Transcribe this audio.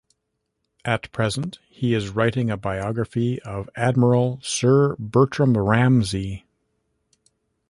At present, he is writing a biography of Admiral Sir Bertram Ramsay.